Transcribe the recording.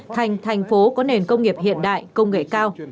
thành thành phố có nền công nghiệp hiện đại công nghệ cao